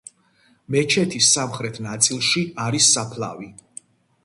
მეჩეთის სამხრეთ ნაწილში არის საფლავი.